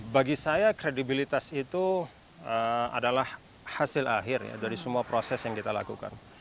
bagi saya kredibilitas itu adalah hasil akhir dari semua proses yang kita lakukan